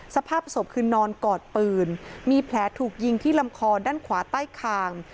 สภาพศพคือนอนกอดปืนมีแผลถูกยิงที่ลำคอด้านขวาใต้คาง